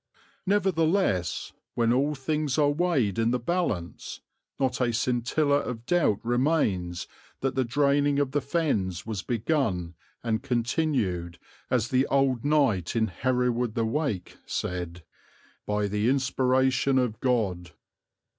Nevertheless, when all things are weighed in the balance, not a scintilla of doubt remains that the draining of the Fens was begun and continued, as the old knight in Hereward the Wake said, "by the inspiration of God."